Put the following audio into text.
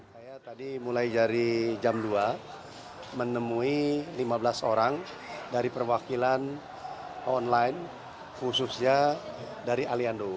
saya tadi mulai dari jam dua menemui lima belas orang dari perwakilan online khususnya dari aliando